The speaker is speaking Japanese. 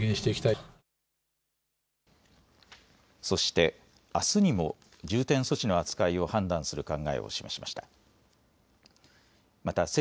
そして、あすにも重点措置の扱いを判断する考えを示しました。